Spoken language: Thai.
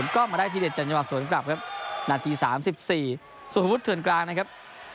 ก็มาได้ทีเด็ดจังหวะสวนกลับครับนาที๓๔ส่วนผู้ถือนกลางนะครับ